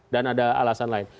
dan ada alasan lain